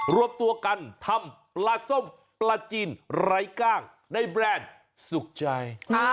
รวมตัวกันทำปลาส้มปลาจีนไร้กล้างในแบรนด์สุขใจ